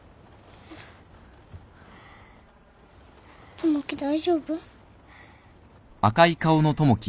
友樹大丈夫？